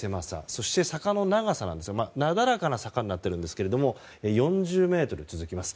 そして、坂の長さなんですがなだらかな坂になっているんですが４０ｍ続きます。